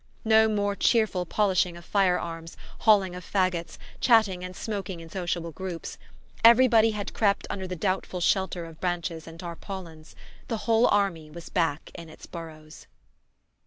No more cheerful polishing of fire arms, hauling of faggots, chatting and smoking in sociable groups: everybody had crept under the doubtful shelter of branches and tarpaulins; the whole army was back in its burrows.